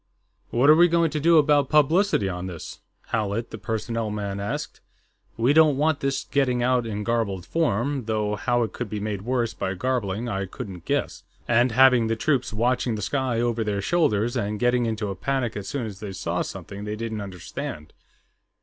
"What are we going to do about publicity on this?" Howlett, the personnel man, asked. "We don't want this getting out in garbled form though how it could be made worse by garbling I couldn't guess and having the troops watching the sky over their shoulders and going into a panic as soon as they saw something they didn't understand."